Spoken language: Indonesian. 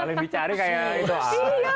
paling dicari kayak itu